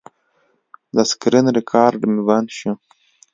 د سکرین ریکارډ مې بند شو.